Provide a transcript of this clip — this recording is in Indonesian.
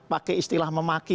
pakai istilah memahami